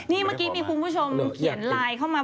นี่เมื่อกี้มีคุณผู้ชมเขียนไลน์เข้ามา